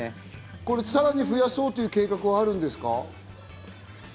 さらに増やそうという計画はあるんですか？